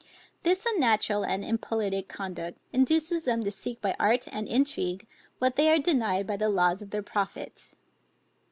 This unnatural and impolitic conduct induces them to seek by art and intrigue, what they are denied by the laws of their prophet.